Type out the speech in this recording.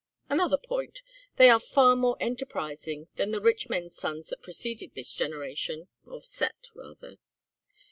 Another point they are far more enterprising than the rich men's sons that preceded this generation or set, rather.